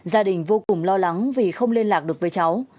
gia đình vô cùng lo lắng vì không liên lạc được với cháu